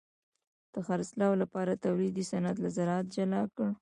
د خرڅلاو لپاره تولید صنعت له زراعت جلا کړ.